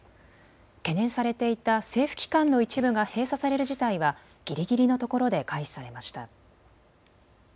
懸念されていた政府機関の一部が閉鎖される事態はぎりぎりのところで回避されました。